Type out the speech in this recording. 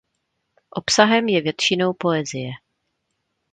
Obsahem je většinou poezie.